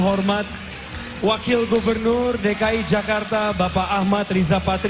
hormat wakil gubernur dki jakarta bapak ahmad riza patri